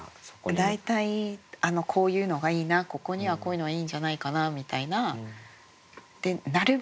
大体こういうのがいいなここにはこういうのがいいんじゃないかなみたいな。